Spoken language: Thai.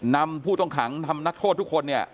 นำผู้ต้องขังนำนักโทษทุกคนเนี่ย